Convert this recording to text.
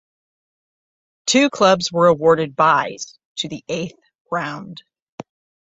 Two clubs were awarded byes to the eighth round.